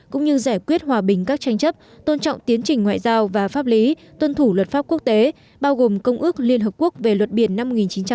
cũng như giải quyết hòa bình các tranh chấp tôn trọng tiến trình ngoại giao và pháp lý tuân thủ luật pháp quốc tế bao gồm công ước liên hợp quốc về luật biển năm một nghìn chín trăm tám mươi hai